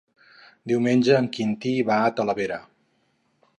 Diumenge en Quintí va a Talavera.